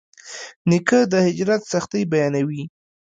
نیکه د هجرت سختۍ بیانوي.